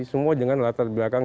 semua dengan latar belakang